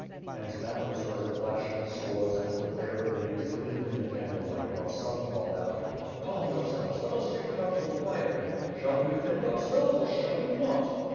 And now was heard a clashing of swords and the bare blades gleamed in the candle light while some called out, "Calm yourselves, let us take council quietly. Shall we defend ourselves, or shall we not?"